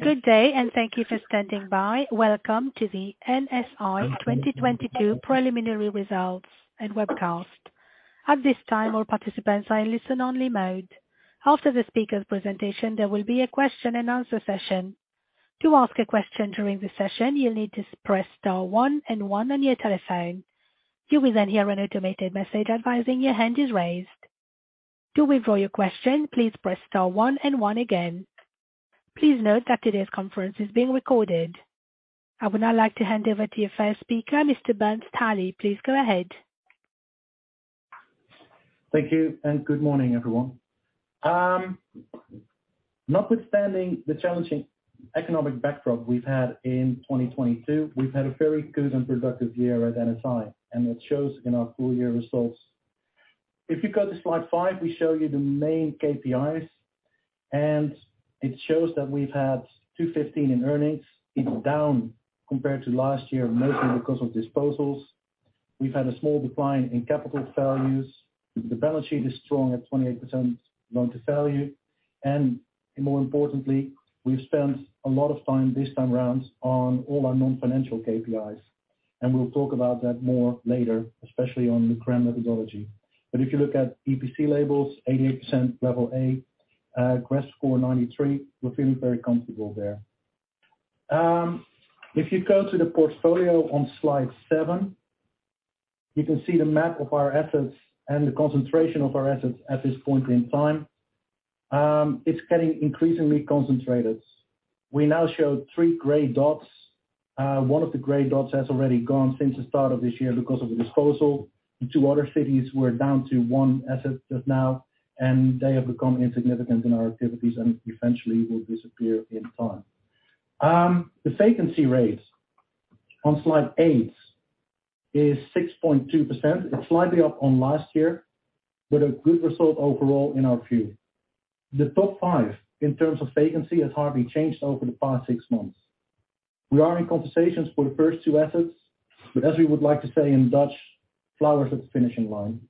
Good day, and thank you for standing by. Welcome to the NSI 2022 preliminary results and webcast. At this time, all participants are in listen-only mode. After the speaker presentation, there will be a question and answer session. To ask a question during the session, you'll need to press star one and one on your telephone. You will then hear an automated message advising your hand is raised. To withdraw your question, please press star one and one again. Please note that today's conference is being recorded. I would now like to hand over to your first speaker, Mr. Bernd Stahli. Please go ahead. Thank you, good morning, everyone. Notwithstanding the challenging economic backdrop we've had in 2022, we've had a very good and productive year at NSI, and it shows in our full year results. If you go to slide five, we show you the main KPIs, and it shows that we've had 2.15 in earnings. It's down compared to last year, mostly because of disposals. We've had a small decline in capital values. The balance sheet is strong at 28% loan to value. More importantly, we've spent a lot of time this time around on all our non-financial KPIs, and we'll talk about that more later, especially on the CRREM methodology. If you look at EPC labels, 88% level A, GRES score 93. We're feeling very comfortable there. If you go to the portfolio on slide seven, you can see the map of our assets and the concentration of our assets at this point in time. It's getting increasingly concentrated. We now show three gray dots. One of the gray dots has already gone since the start of this year because of the disposal. The two other cities, we're down to one asset as of now, and they have become insignificant in our activities and eventually will disappear in time. The vacancy rates on slide eight is 6.2%. It's slightly up on last year, but a good result overall in our view. The top five in terms of vacancy has hardly changed over the past six months. We are in conversations for the first two assets, but as we would like to say in Dutch, flowers at the finishing line.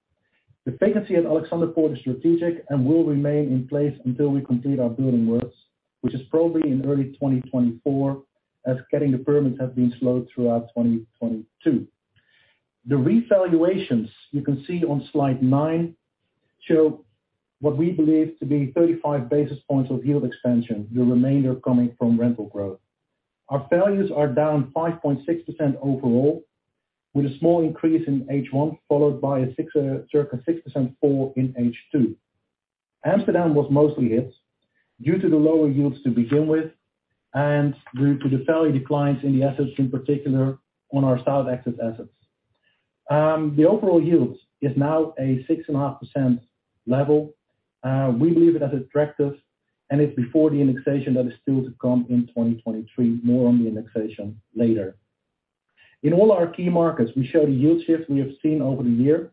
The vacancy at Alexanderpoort is strategic and will remain in place until we complete our building works, which is probably in early 2024, as getting the permits has been slowed throughout 2022. The revaluations you can see on slide nine show what we believe to be 35 basis points of yield expansion, the remainder coming from rental growth. Our values are down 5.6% overall, with a small increase in H1, followed by a circa 6% fall in H2. Amsterdam was mostly hit due to the lower yields to begin with and due to the value declines in the assets, in particular on our south-facing assets. The overall yields is now a 6.5% level. We believe it as attractive, and it's before the indexation that is still to come in 2023. More on the indexation later. In all our key markets, we show the yield shift we have seen over the year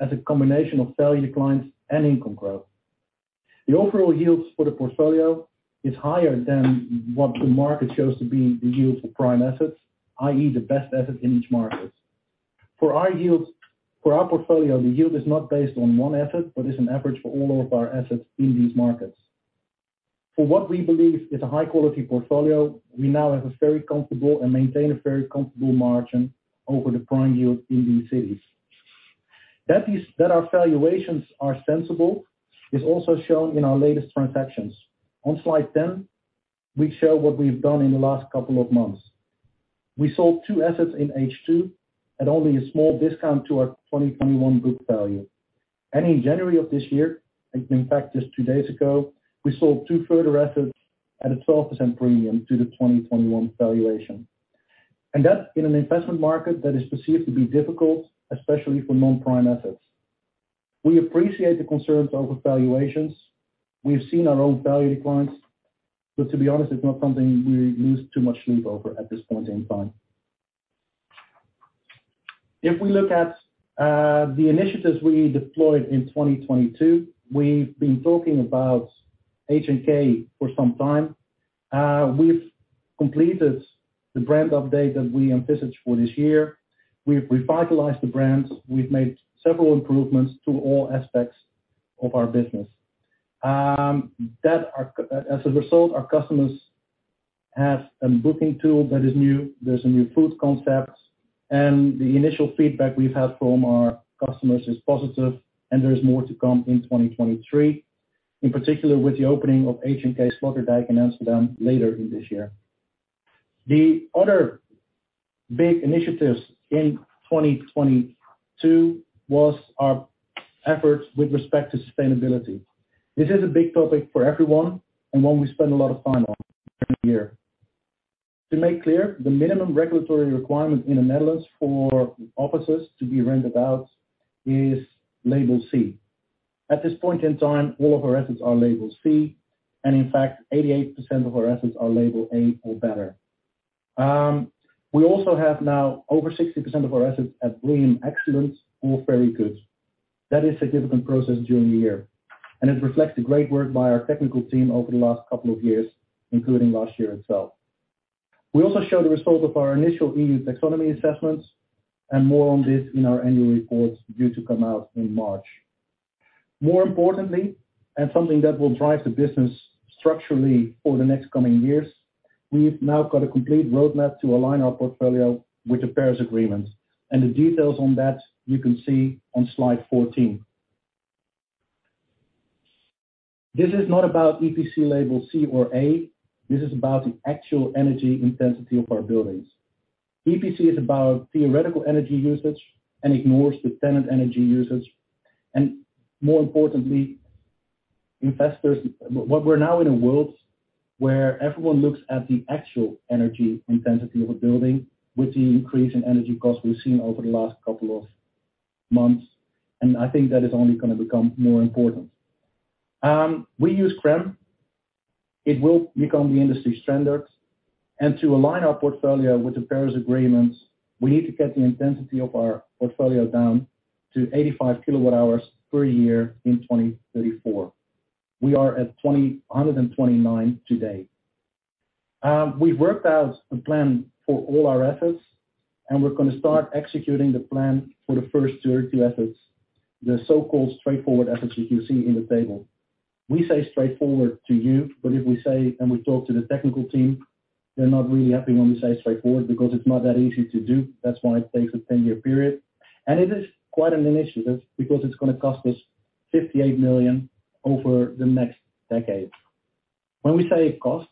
as a combination of value declines and income growth. The overall yields for the portfolio is higher than what the market shows to be the yields for prime assets, i.e., the best asset in each market. For our yields, for our portfolio, the yield is not based on one asset, but is an average for all of our assets in these markets. For what we believe is a high-quality portfolio, we now have a very comfortable and maintain a very comfortable margin over the prime yield in these cities. That is, that our valuations are sensible is also shown in our latest transactions. On slide 10, we show what we've done in the last couple of months. We sold two assets in H2 at only a small discount to our 2021 book value. In January of this year, in fact, just two days ago, we sold two further assets at a 12% premium to the 2021 valuation. That in an investment market that is perceived to be difficult, especially for non-prime assets. We appreciate the concerns over valuations. We've seen our own value declines. To be honest, it's not something we lose too much sleep over at this point in time. If we look at the initiatives we deployed in 2022, we've been talking about HNK for some time. We've completed the brand update that we envisaged for this year. We've revitalized the brands. We've made several improvements to all aspects of our business. As a result, our customers have a booking tool that is new. There's some new food concepts, and the initial feedback we've had from our customers is positive, and there is more to come in 2023, in particular with the opening of HNK Sloterdijk in Amsterdam later in this year. The other big initiatives in 2022 was our efforts with respect to sustainability. This is a big topic for everyone and one we spend a lot of time on every year. To make clear, the minimum regulatory requirement in the Netherlands for offices to be rented out is label C. At this point in time, all of our assets are label C, and in fact, 88% of our assets are label A or better. We also have now over 60% of our assets at B and excellent or very good. That is significant progress during the year. It reflects the great work by our technical team over the last couple of years, including last year itself. We also show the result of our initial EU Taxonomy assessments, and more on this in our annual reports due to come out in March. More importantly, something that will drive the business structurally for the next coming years, we've now got a complete roadmap to align our portfolio with the Paris Agreement. The details on that you can see on slide 14. This is not about EPC Label C or A, this is about the actual energy intensity of our buildings. EPC is about theoretical energy usage and ignores the tenant energy usage. More importantly, investors, we're now in a world where everyone looks at the actual energy intensity of a building with the increase in energy costs we've seen over the last couple of months, and I think that is only gonna become more important. We use CRREM. It will become the industry standard. To align our portfolio with the Paris Agreement, we need to get the intensity of our portfolio down to 85 kilowatt hours per year in 2034. We are at 129 today. We've worked out a plan for all our efforts, and we're gonna start executing the plan for the first two or three efforts, the so-called straightforward efforts that you see in the table. We say straightforward to you, but if we say and we talk to the technical team, they're not really happy when we say straightforward because it's not that easy to do. That's why it takes a 10-year period. It is quite an initiative because it's gonna cost us 58 million over the next decade. When we say cost,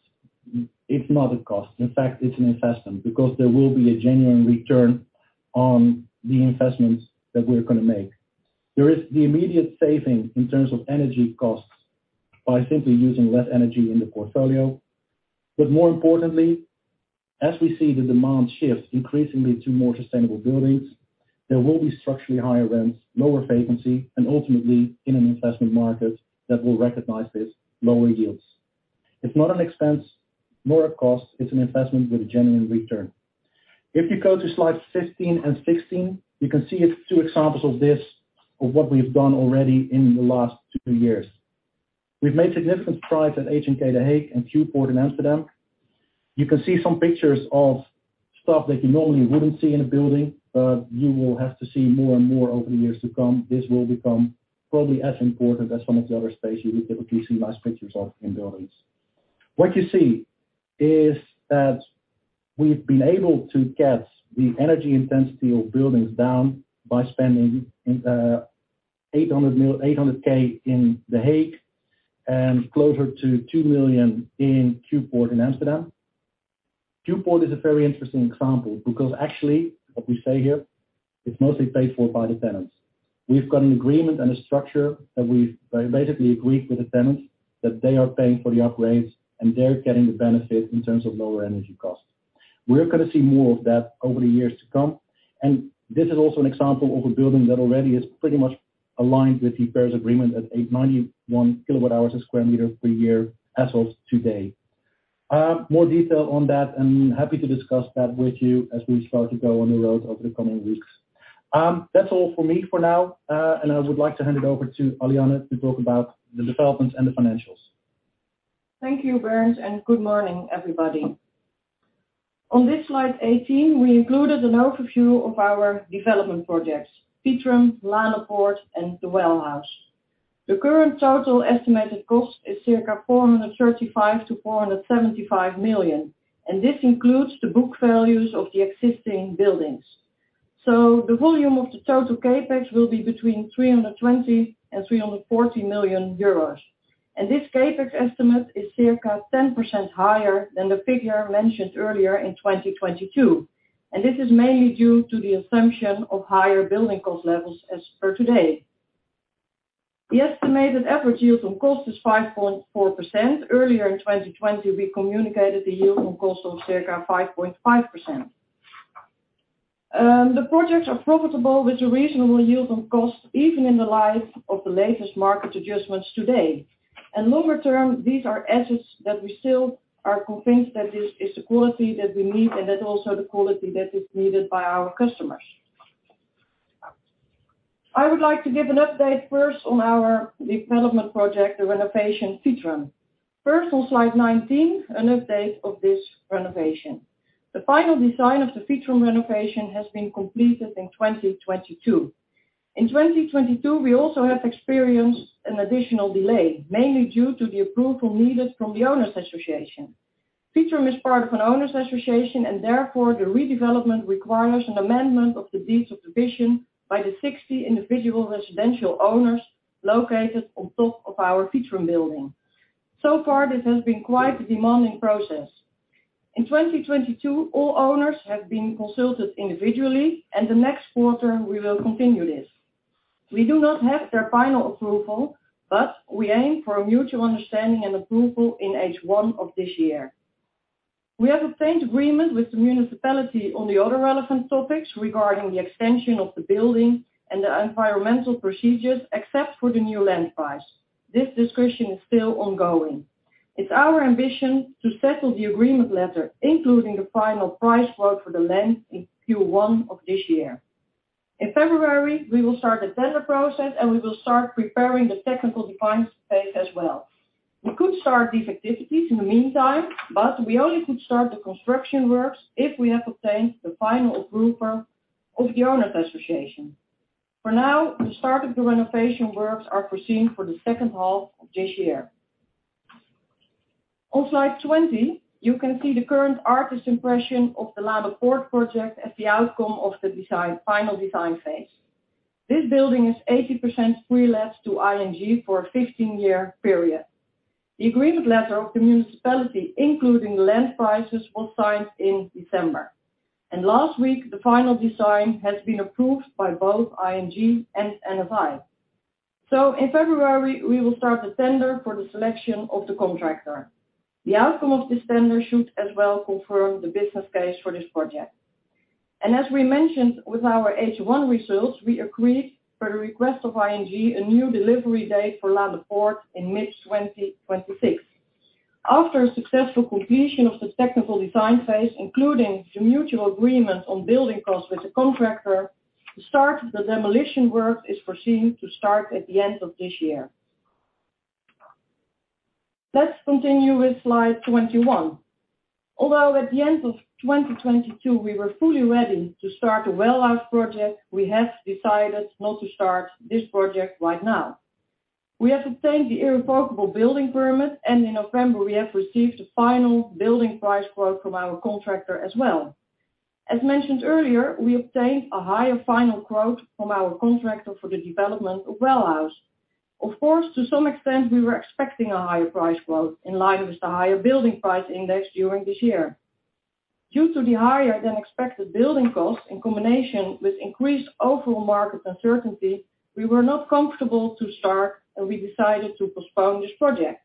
it's not a cost. In fact, it's an investment because there will be a genuine return on the investments that we're gonna make. There is the immediate saving in terms of energy costs by simply using less energy in the portfolio. More importantly, as we see the demand shift increasingly to more sustainable buildings, there will be structurally higher rents, lower vacancy, and ultimately, in an investment market that will recognize this, lower yields. It's not an expense nor a cost, it's an investment with a genuine return. If you go to slide 15 and 16, you can see it's two examples of this, of what we've done already in the last two years. We've made significant strides at HNK The Hague and Q-Port in Amsterdam. You can see some pictures of stuff that you normally wouldn't see in a building, but you will have to see more and more over the years to come. This will become probably as important as some of the other space you would typically see nice pictures of in buildings. What you see is that we've been able to get the energy intensity of buildings down by spending 800K in The Hague and closer to 2 million in Q-Port in Amsterdam. Q-Port is a very interesting example because actually, what we say here, it's mostly paid for by the tenants. We've got an agreement and a structure that we've basically agreed with the tenants that they are paying for the upgrades, and they're getting the benefit in terms of lower energy costs. We're gonna see more of that over the years to come. This is also an example of a building that already is pretty much aligned with the Paris Agreement at 891 kWh a square meter per year as of today. More detail on that, happy to discuss that with you as we start to go on the road over the coming weeks. That's all for me for now, I would like to hand it over to Alianne to talk about the developments and the financials. Thank you, Bernd. Good morning, everybody. On this slide 18, we included an overview of our development projects, Vitrum, Laanderpoort, and Well House. The current total estimated cost is circa 435 million-475 million. This includes the book values of the existing buildings. The volume of the total CapEx will be between 320 million and 340 million euros. This CapEx estimate is circa 10% higher than the figure mentioned earlier in 2022, and this is mainly due to the assumption of higher building cost levels as per today. The estimated average yield on cost is 5.4%. Earlier in 2020, we communicated the yield on cost of circa 5.5%. The projects are profitable with a reasonable yield on cost, even in the light of the latest market adjustments today. Longer term, these are assets that we still are convinced that this is the quality that we need and that's also the quality that is needed by our customers. I would like to give an update first on our development project, the renovation Vitrum. First, on slide 19, an update of this renovation. The final design of the Vitrum renovation has been completed in 2022. In 2022, we also have experienced an additional delay, mainly due to the approval needed from the owners association. Vitrum is part of an owners association and therefore the redevelopment requires an amendment of the deeds of division by the 60 individual residential owners located on top of our Vitrum building. So far, this has been quite a demanding process. In 2022, all owners have been consulted individually. The next quarter we will continue this. We do not have their final approval, but we aim for a mutual understanding and approval in H1 of this year. We have obtained agreement with the municipality on the other relevant topics regarding the extension of the building and the environmental procedures, except for the new land price. This discussion is still ongoing. It's our ambition to settle the agreement letter, including the final price quote for the land, in Q1 of this year. In February, we will start the tender process, and we will start preparing the technical designs phase as well. We could start these activities in the meantime, but we only could start the construction works if we have obtained the final approval of the owners association. For now, the start of the renovation works are foreseen for the second half of this year. On slide 20, you can see the current artist's impression of the Laanderpoort project at the outcome of the final design phase. This building is 80% prelet to ING for a 15-year period. The agreement letter of the municipality, including land prices, was signed in December. Last week, the final design has been approved by both ING and NSI. In February, we will start the tender for the selection of the contractor. The outcome of this tender should as well confirm the business case for this project. As we mentioned with our H1 results, we agreed for the request of ING, a new delivery date for Laanderpoort in mid-2026. After successful completion of the technical design phase, including the mutual agreement on building costs with the contractor, the start of the demolition work is foreseen to start at the end of this year. Let's continue with slide 21. Although at the end of 2022, we were fully ready to start the Well House project, we have decided not to start this project right now. We have obtained the irrevocable building permit, and in November, we have received the final building price quote from our contractor as well. As mentioned earlier, we obtained a higher final quote from our contractor for the development of Well House. Of course, to some extent, we were expecting a higher price quote in line with the higher building price index during this year. Due to the higher-than-expected building cost in combination with increased overall market uncertainty, we were not comfortable to start, and we decided to postpone this project.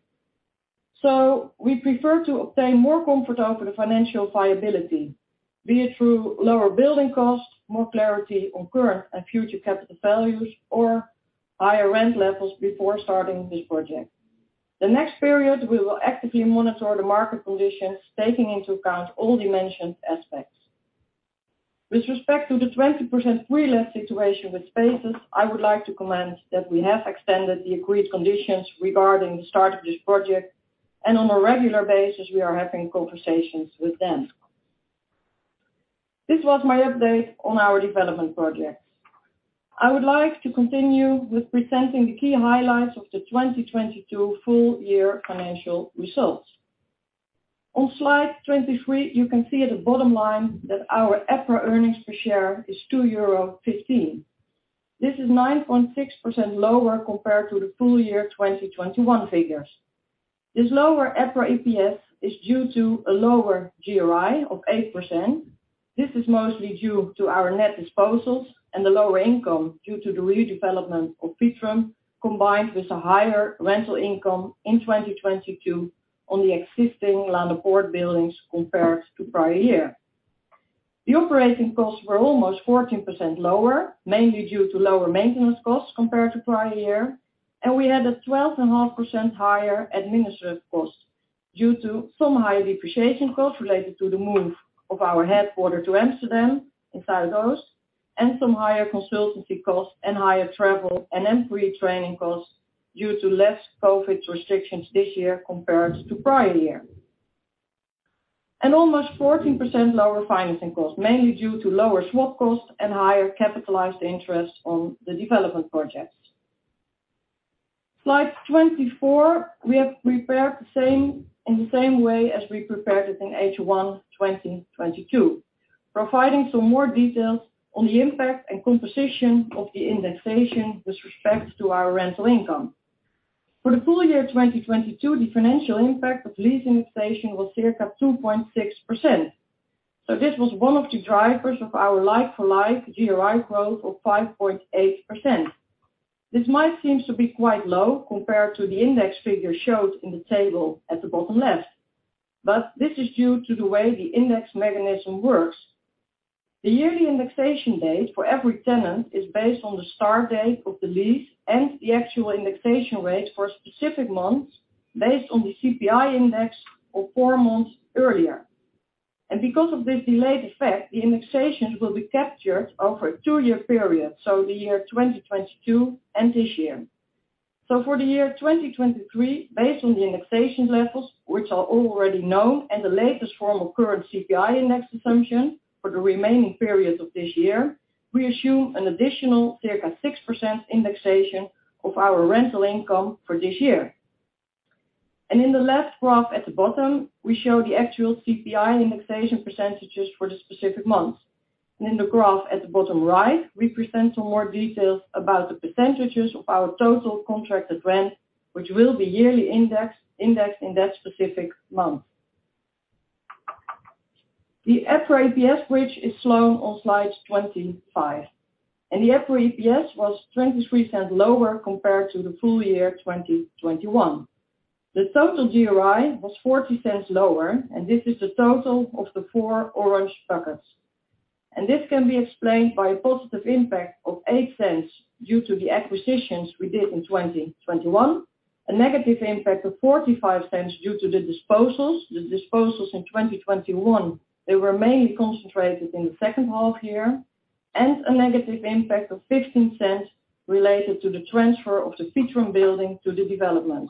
We prefer to obtain more comfort over the financial viability, be it through lower building costs, more clarity on current and future capital values, or higher rent levels before starting this project. The next period, we will actively monitor the market conditions, taking into account all dimensions aspects. With respect to the 20% prelet situation with Spaces, I would like to comment that we have extended the agreed conditions regarding the start of this project, and on a regular basis, we are having conversations with them. This was my update on our development projects. I would like to continue with presenting the key highlights of the 2022 full year financial results. On slide 23, you can see at the bottom line that our EPRA earnings per share is 2.15 euro. This is 9.6% lower compared to the full year 2021 figures. This lower EPRA EPS is due to a lower GRI of 8%. This is mostly due to our net disposals and the lower income due to the redevelopment of Vitrum, combined with a higher rental income in 2022 on the existing Laanderpoort buildings compared to prior year. The operating costs were almost 14% lower, mainly due to lower maintenance costs compared to prior year. We had a 12.5% higher administrative cost due to some higher depreciation costs related to the move of our headquarter to Amsterdam in Zuidas, and some higher consultancy costs and higher travel and employee training costs due to less COVID restrictions this year compared to prior year. Almost 14% lower financing costs, mainly due to lower swap costs and higher capitalized interest on the development projects. Slide 24, we have prepared the same way as we prepared it in H1 2022, providing some more details on the impact and composition of the indexation with respect to our rental income. For the full year 2022, the financial impact of lease indexation was circa 2.6%. This was one of the drivers of our like-for-like GRI growth of 5.8%. This might seems to be quite low compared to the index figure showed in the table at the bottom left, but this is due to the way the index mechanism works. The yearly indexation date for every tenant is based on the start date of the lease and the actual indexation rate for a specific month based on the CPI index of four months earlier. Because of this delayed effect, the indexations will be captured over a two-year period, so the year 2022 and this year. For the year 2023, based on the indexation levels, which are already known, and the latest form of current CPI index assumption for the remaining periods of this year, we assume an additional circa 6% indexation of our rental income for this year. In the left graph at the bottom, we show the actual CPI indexation percentages for the specific months. In the graph at the bottom right, we present some more details about the percentages of our total contracted rent, which will be yearly indexed in that specific month. The EPRA EPS, which is shown on slide 25. The EPRA EPS was 0.23 lower compared to the full year 2021. The total GRI was 0.40 lower, and this is the total of the four orange buckets. This can be explained by a positive impact of 0.08 due to the acquisitions we did in 2021. A negative impact of 0.45 due to the disposals. The disposals in 2021, they were mainly concentrated in the second half year. A negative impact of 0.15 related to the transfer of the Vitrum building to the development.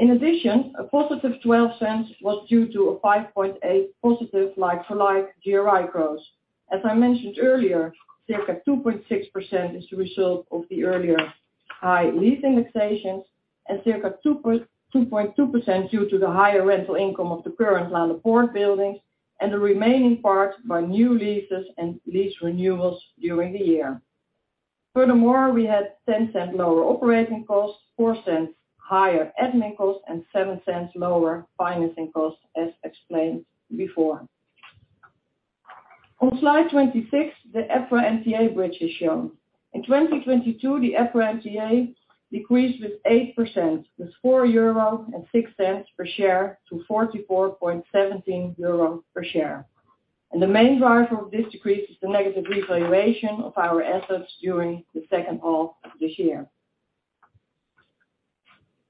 In addition, a positive 0.12 was due to a 5.8 positive like-for-like GRI growth. As I mentioned earlier, circa 2.6% is the result of the earlier high lease indexations, and circa 2.2% due to the higher rental income of the current Laanderpoort buildings, and the remaining parts by new leases and lease renewals during the year. Furthermore, we had 0.10 lower operating costs, 0.04 higher admin costs, and 0.07 lower financing costs as explained before. On slide 26, the EPRA NTA bridge is shown. In 2022, the EPRA NTA decreased with 8%, with 4.06 euro per share to 44.17 euro per share. The main driver of this decrease is the negative revaluation of our assets during the second half of this year.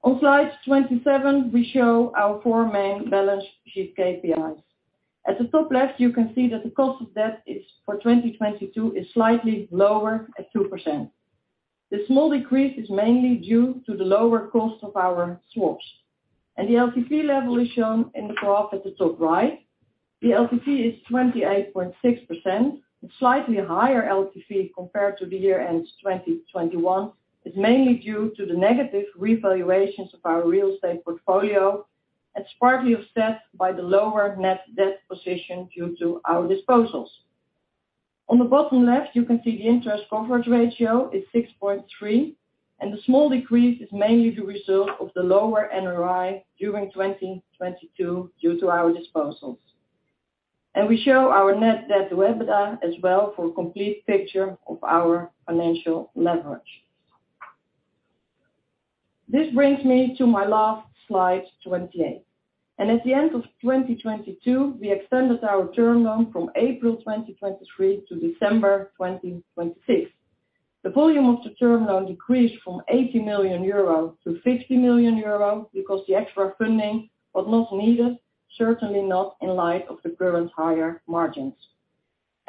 On slide 27, we show our four main balance sheet KPIs. At the top left, you can see that the cost of debt for 2022 is slightly lower at 2%. The small decrease is mainly due to the lower cost of our swaps. The LTV level is shown in the graph at the top right. The LTV is 28.6%. The slightly higher LTV compared to the year-end 2021 is mainly due to the negative revaluations of our real estate portfolio. It's partly offset by the lower net debt position due to our disposals. On the bottom left, you can see the interest coverage ratio is 6.3. The small decrease is mainly the result of the lower NRI during 2022 due to our disposals. We show our net debt to EBITDA as well for a complete picture of our financial leverage. This brings me to my last slide, 28. At the end of 2022, we extended our term loan from April 2023 to December 2026. The volume of the term loan decreased from 80 million euro to 60 million euro because the extra funding was not needed, certainly not in light of the current higher margins.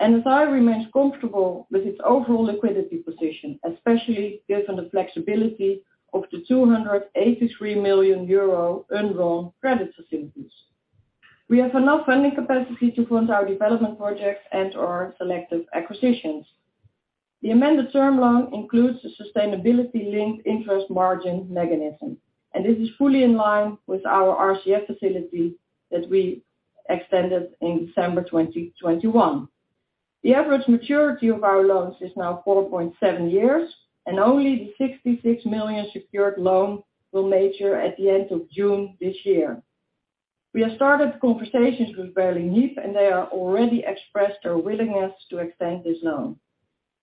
NSI remains comfortable with its overall liquidity position, especially given the flexibility of the 283 million euro undrawn credit facilities. We have enough funding capacity to fund our development projects and/or selective acquisitions. The amended term loan includes the sustainability-linked interest margin mechanism, this is fully in line with our RCF facility that we extended in December 2021. The average maturity of our loans is now 4.7 years, only the 66 million secured loan will mature at the end of June this year. We have started conversations with Berlin Hyp, they are already expressed their willingness to extend this loan.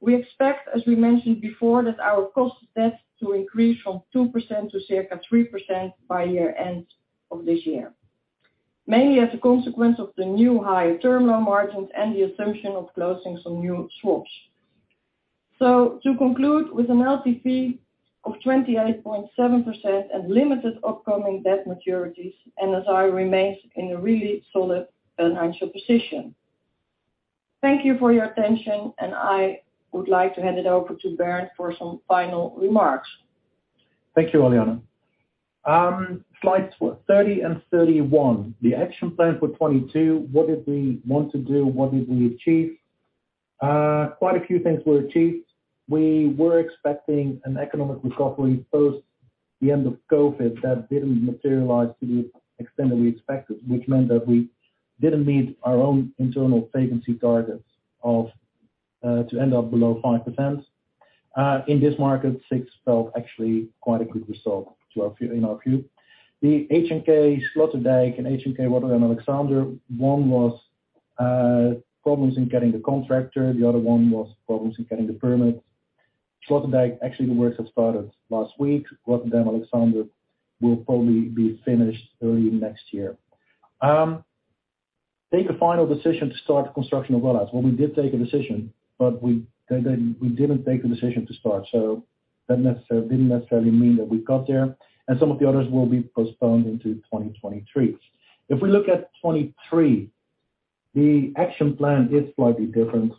We expect, as we mentioned before, that our cost of debt to increase from 2% to circa 3% by year-end of this year. Mainly as a consequence of the new higher term loan margins and the assumption of closing some new swaps. To conclude with an LTV of 28.7% and limited upcoming debt maturities, NSI remains in a really solid financial position. Thank you for your attention, and I would like to hand it over to Bernd for some final remarks. Thank you, Alianne. Slides 30 and 31. The action plan for 2022. What did we want to do? What did we achieve? Quite a few things were achieved. We were expecting an economic recovery post the end of COVID that didn't materialize to the extent that we expected, which meant that we didn't meet our own internal vacancy targets to end up below 5%. In this market, six felt actually quite a good result to our view, in our view. The HNK Sloterdijk and HNK Rotterdam Alexander, one was problems in getting the contractor, the other one was problems in getting the permits. Sloterdijk actually the works has started last week. Rotterdam Alexander will probably be finished early next year. Take a final decision to start the construction of Well House. Well, we did take a decision, but we, they didn't, we didn't take a decision to start. Didn't necessarily mean that we got there. Some of the others will be postponed into 2023. If we look at 2023, the action plan is slightly different.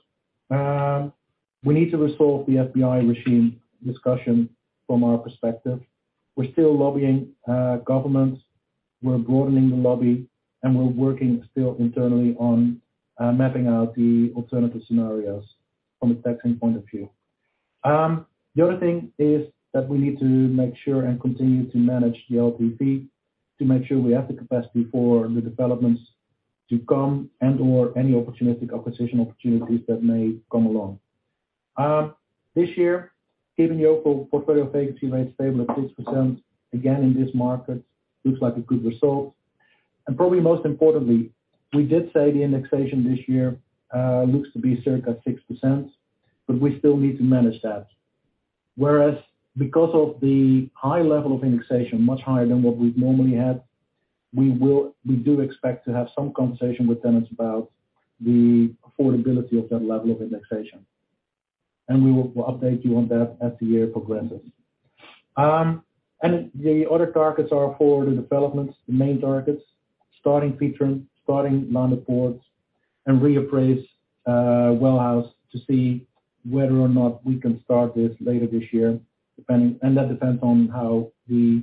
We need to resolve the FBI regime discussion from our perspective. We're still lobbying governments. We're broadening the lobby, and we're working still internally on mapping out the alternative scenarios from a taxing point of view. The other thing is that we need to make sure and continue to manage the LTV to make sure we have the capacity for the developments to come and/or any opportunistic acquisition opportunities that may come along. This year, keeping the overall portfolio vacancy rate stable at 6% again in this market looks like a good result. Probably most importantly, we did say the indexation this year looks to be circa 6%, but we still need to manage that. Because of the high level of indexation, much higher than what we've normally had, we do expect to have some conversation with tenants about the affordability of that level of indexation. We will, we'll update you on that as the year progresses. The other targets are for the developments, the main targets, starting Vitrum, starting Laanderpoort, and reappraise Well House to see whether or not we can start this later this year, and that depends on how the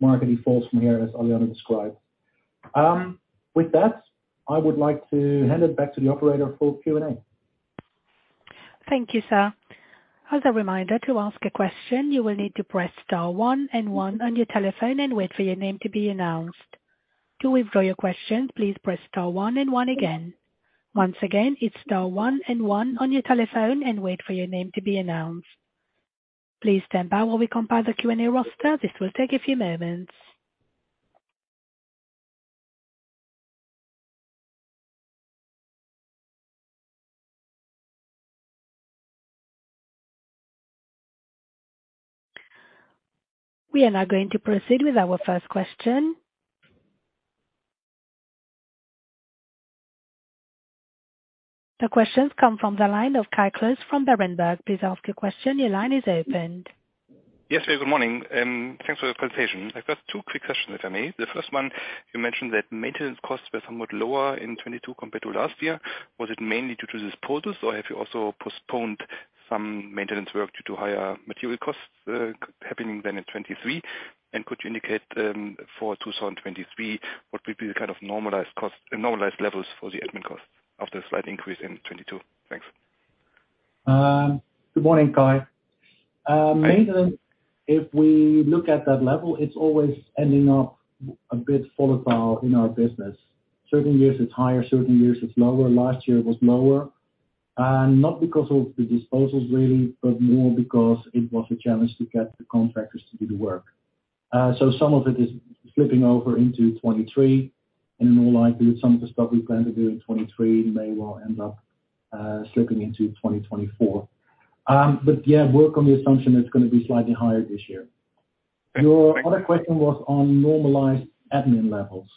market evolves from here, as Alianne de Jong described. With that, I would like to hand it back to the operator for Q&A. Thank you, sir. As a reminder, to ask a question, you will need to press star one and one on your telephone and wait for your name to be announced. To withdraw your question, please press star one and one again. Once again, it is star one and one on your telephone and wait for your name to be announced. Please stand by while we compile the Q&A roster. This will take a few moments. We are now going to proceed with our first question. The questions come from the line of Kai Klose from Berenberg. Please ask your question. Your line is open. Yes. Good morning. Thanks for the presentation. I've got two quick questions if I may. The first one, you mentioned that maintenance costs were somewhat lower in 2022 compared to last year. Was it mainly due to disposals, or have you also postponed some maintenance work due to higher material costs happening than in 2023? Could you indicate for 2023, what would be the kind of normalized cost and normalized levels for the admin costs after a slight increase in 2022? Thanks. Good morning, Kai. Maintenance, if we look at that level, it's always ending up a bit volatile in our business. Certain years it's higher, certain years it's lower. Last year it was lower. Not because of the disposals really, but more because it was a challenge to get the contractors to do the work. Some of it is slipping over into 2023, and more likely some of the stuff we plan to do in 2023 may well end up slipping into 2024. Yeah, work on the assumption it's gonna be slightly higher this year. Your other question was on normalized admin levels.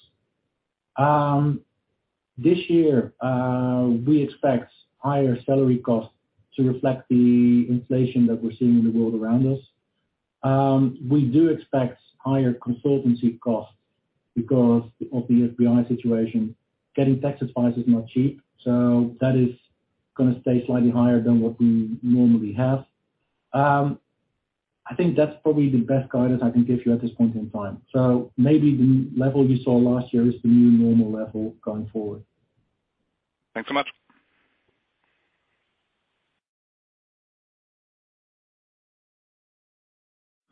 This year, we expect higher salary costs to reflect the inflation that we're seeing in the world around us. We do expect higher consultancy costs because of the FBR situation. Getting tax advice is not cheap, that is gonna stay slightly higher than what we normally have. I think that's probably the best guidance I can give you at this point in time. Maybe the level you saw last year is the new normal level going forward. Thanks so much.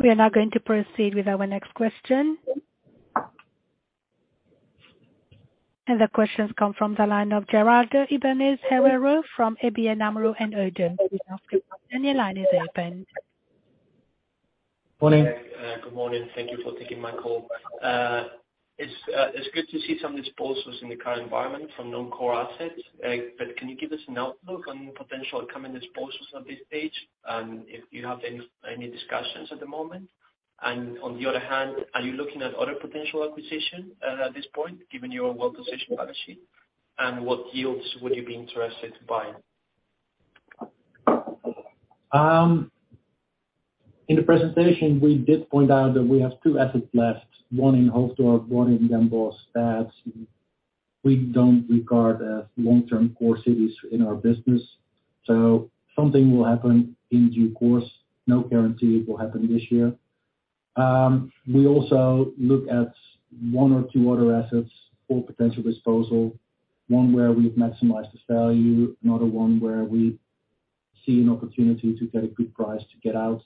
We are now going to proceed with our next question. The questions come from the line of Gerardo Ibáñez Herrero from ABN AMRO and ODDO BHF. You may ask your question. Your line is open. Morning. Good morning. Thank you for taking my call. It's good to see some disposals in the current environment from non-core assets. Can you give us an outlook on potential upcoming disposals at this stage, and if you have any discussions at the moment? On the other hand, are you looking at other potential acquisition at this point, given your well-positioned balance sheet? What yields would you be interested to buy? In the presentation we did point out that we have two assets left, one in Hoofddorp, one in Den Bosch that we don't regard as long-term core cities in our business. Something will happen in due course. No guarantee it will happen this year. We also look at one or two other assets for potential disposal, one where we've maximized this value, another one where we see an opportunity to get a good price to get out.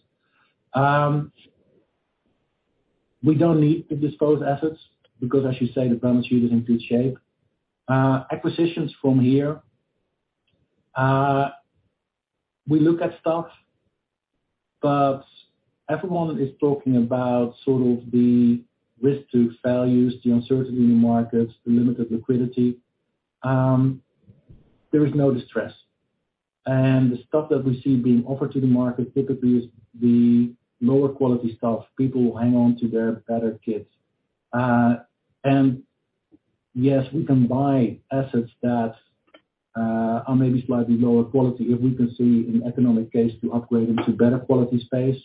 We don't need to dispose assets because as you say, the balance sheet is in good shape. Acquisitions from here, we look at stuff, but everyone is talking about sort of the risk to values, the uncertainty in the markets, the limited liquidity. There is no distress. The stuff that we see being offered to the market typically is the lower quality stuff. People hang on to their better kits. Yes, we can buy assets that are maybe slightly lower quality if we can see an economic case to upgrade into better quality space.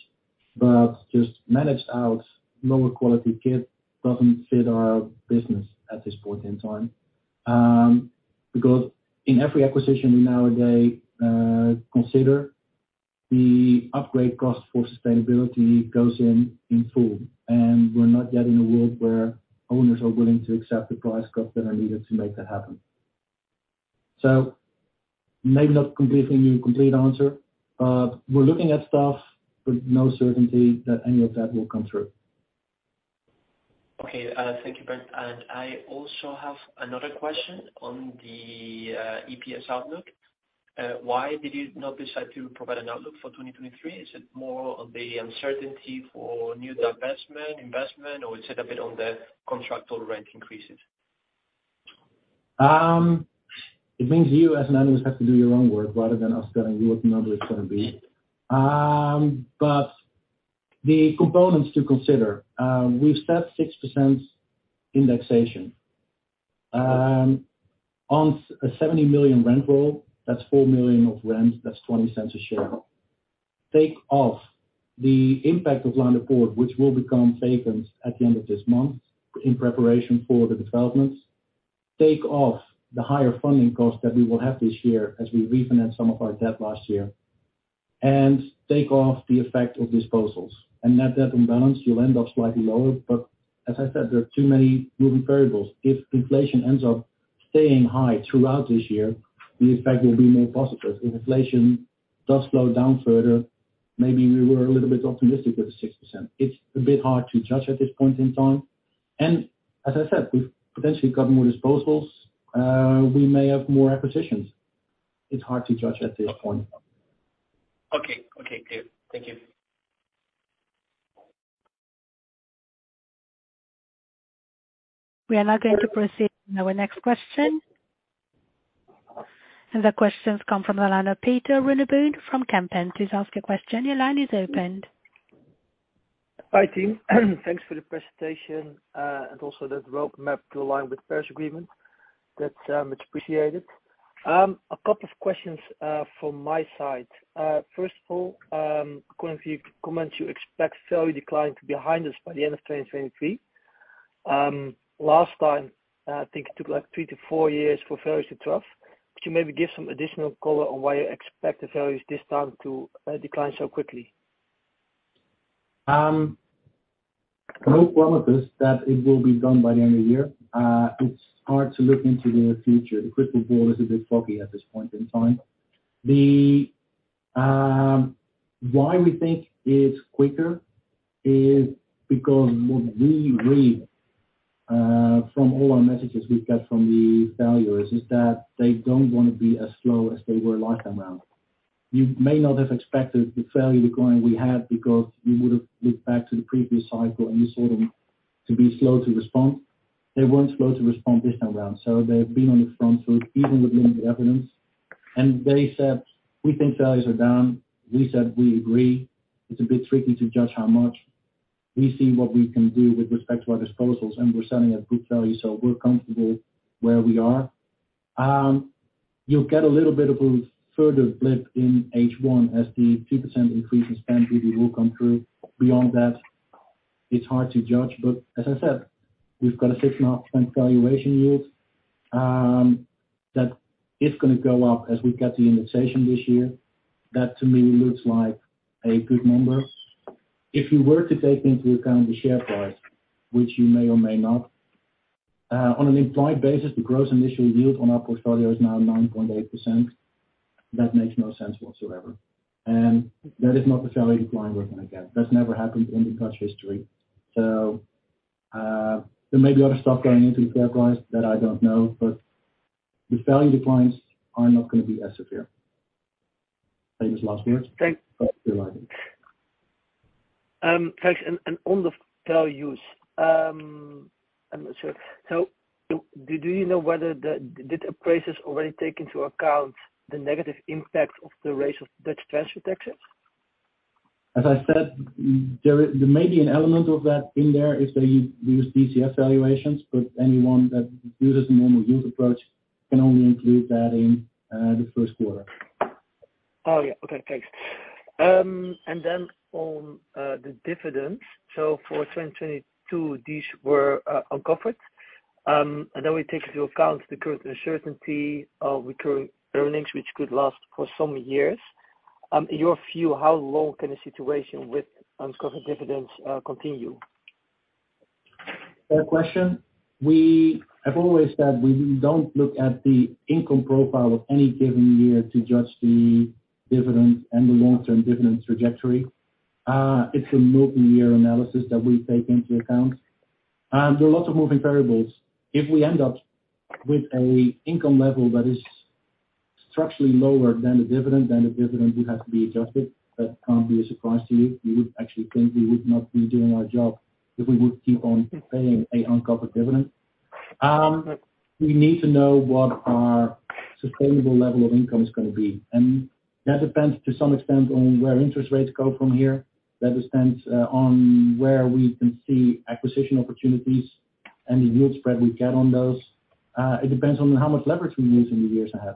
Just managed out lower quality kit doesn't fit our business at this point in time. Because in every acquisition we nowadays consider, the upgrade cost for sustainability goes in full. We're not yet in a world where owners are willing to accept the price cuts that are needed to make that happen. Maybe not completely a complete answer, but we're looking at stuff with no certainty that any of that will come through. Okay. Thank you, Bernd. I also have another question on the EPS outlook. Why did you not decide to provide an outlook for 2023? Is it more on the uncertainty for new divestment, investment, or is it a bit on the contractual rent increases? It means you as an analyst have to do your own work rather than us telling you what the number is gonna be. The components to consider, we've set 6% indexation. On a 70 million rent roll, that's 4 million of rent, that's 0.20 a share. Take off the impact of Laanderpoort, which will become vacant at the end of this month in preparation for the developments. Take off the higher funding costs that we will have this year as we refinance some of our debt last year. Take off the effect of disposals. Net debt and balance, you'll end up slightly lower, as I said, there are too many moving variables. If inflation ends up staying high throughout this year, the effect will be more positive. If inflation does slow down further, maybe we were a little bit optimistic with the 6%. It's a bit hard to judge at this point in time. As I said, we've potentially got more disposals, we may have more acquisitions. It's hard to judge at this point. Okay. Okay, clear. Thank you. We are now going to proceed to our next question. The question's come from the line of Pieter Runneboom from Kempen. Please ask your question. Your line is opened. Hi, team. Thanks for the presentation, and also the roadmap to align with Paris Agreement. That's, it's appreciated. A couple of questions from my side. First of all, according to your comments, you expect value decline to be behind us by the end of 2023. Last time, I think it took like three to four years for values to trough. Could you maybe give some additional color on why you expect the values this time to decline so quickly? No promise that it will be done by the end of the year. It's hard to look into the future. The crystal ball is a bit foggy at this point in time. Why we think it's quicker is because what we read from all our messages we've got from the valuers is that they don't wanna be as slow as they were last time around. You may not have expected the value decline we had because you would've looked back to the previous cycle, and you saw them to be slow to respond. They weren't slow to respond this time around, so they've been on the front foot, even with limited evidence. They said, "We think values are down." We said, "We agree. It's a bit tricky to judge how much. We see what we can do with respect to our disposals, and we're selling at good value, so we're comfortable where we are. You'll get a little bit of a further blip in H1 as the 2% increase in spend really will come through. Beyond that, it's hard to judge. As I said, we've got a 6.5% valuation yield that is gonna go up as we get the invitation this year. That, to me, looks like a good number. If you were to take into account the share price, which you may or may not, on an implied basis, the gross initial yield on our portfolio is now 9.8%. That makes no sense whatsoever. That is not the value decline we're gonna get. That's never happened in the country's history. There may be other stuff going into the share price that I don't know, but the value declines are not gonna be as severe. Famous last words. Thanks. You're right. Thanks. On the values, I'm not sure. Do you know whether the appraisers already take into account the negative impact of the raise of Dutch transfer tax? As I said, There may be an element of that in there if they use DCF valuations, but anyone that uses a normal yield approach can only include that in the first quarter. Oh, yeah. Okay, thanks. On the dividends. For 2022, these were uncovered. We take into account the current uncertainty of recurring earnings, which could last for some years. In your view, how long can the situation with uncovered dividends continue? Fair question. We have always said we don't look at the income profile of any given year to judge the dividend and the long-term dividend trajectory. It's a multi-year analysis that we take into account. There are lots of moving variables. If we end up with a income level that is structurally lower than the dividend, then the dividend will have to be adjusted. That can't be a surprise to you. You would actually think we would not be doing our job if we would keep on paying a uncovered dividend. We need to know what our sustainable level of income is gonna be, and that depends, to some extent, on where interest rates go from here. That depends, on where we can see acquisition opportunities and the yield spread we get on those. It depends on how much leverage we use in the years ahead.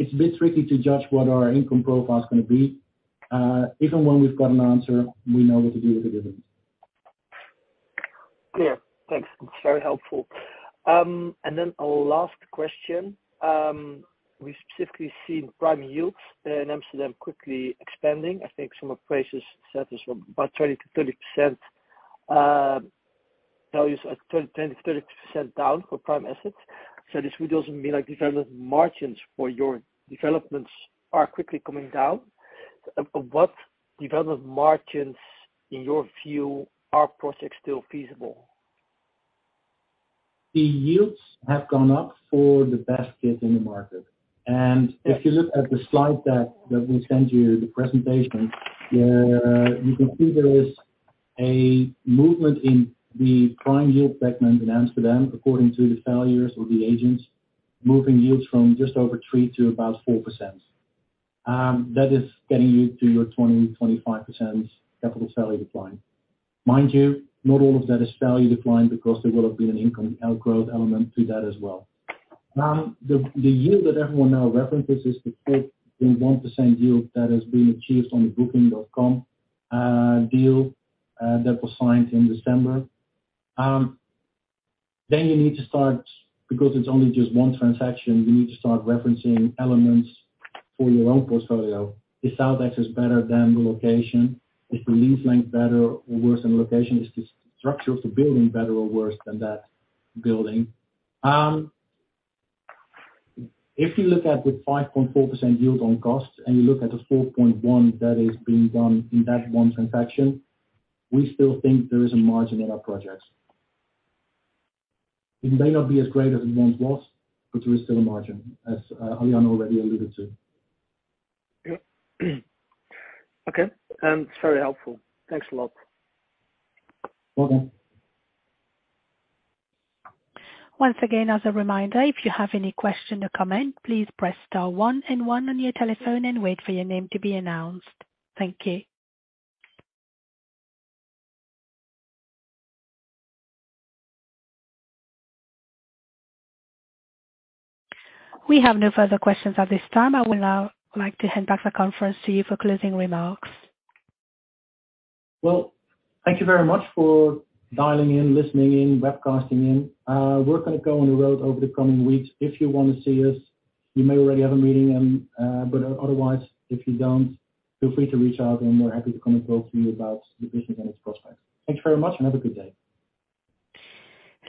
It's a bit tricky to judge what our income profile is gonna be. Even when we've got an answer, we know what to do with the dividend. Clear. Thanks. That's very helpful. A last question. We've specifically seen prime yields in Amsterdam quickly expanding. I think some appraisers said this were about 20%-30%, values at 10%-30% down for prime assets. This would also mean, like, development margins for your developments are quickly coming down. At what development margins, in your view, are projects still feasible? The yields have gone up for the best fit in the market. Yes. If you look at the slide deck that we sent you, the presentation, you can see there is a movement in the prime yield segment in Amsterdam, according to the valuers or the agents, moving yields from just over 3%-4%. That is getting you to your 20%-25% capital value decline. Mind you, not all of that is value decline because there will have been an income outgrowth element to that as well. The yield that everyone now references is the 5.1% yield that has been achieved on the Booking.com deal that was signed in December. You need to start because it's only just one transaction, you need to start referencing elements for your own portfolio. Is South Exit better than the location? Is the lease length better or worse than location? Is the structure of the building better or worse than that building? If you look at the 5.4% yield on cost, and you look at the 4.1% that is being done in that one transaction, we still think there is a margin in our projects. It may not be as great as it once was, but there is still a margin, as Alianne de Jong already alluded to. It's very helpful. Thanks a lot. Welcome. Once again, as a reminder, if you have any question or comment, please press star one and one on your telephone and wait for your name to be announced. Thank you. We have no further questions at this time. I would now like to hand back the conference to you for closing remarks. Well, thank you very much for dialing in, listening in, webcasting in. We're gonna go on the road over the coming weeks. If you wanna see us, you may already have a meeting and, but otherwise, if you don't, feel free to reach out, and we're happy to come and talk to you about the business and its prospects. Thanks very much, and have a good day.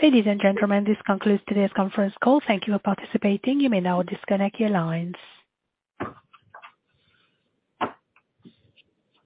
Ladies and gentlemen, this concludes today's conference call. Thank you for participating. You may now disconnect your lines.